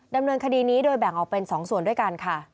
ดำเนินคดีนี้โดยแบ่งออกเป็น๒ส่วนด้วยกันค่ะ